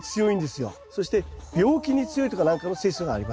そして病気に強いとかなんかの性質があります。